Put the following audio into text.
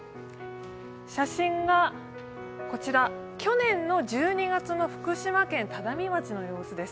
写真がこちら、去年の１２月の福島県只見町の様子です。